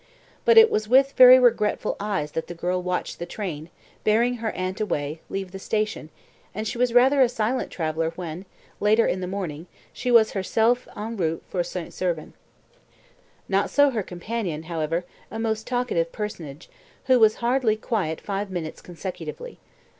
But it was with very regretful eyes that the girl watched the train, bearing her aunt away, leave the station, and she was rather a silent traveller when, later in the morning, she was herself en route for St. Servan. Not so her companion, however, a most talkative personage, who was hardly quiet five minutes consecutively.